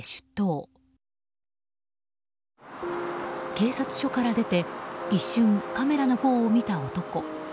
警察署から出て一瞬、カメラのほうを見た男。